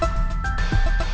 biar putrinya bisa istirahat dulu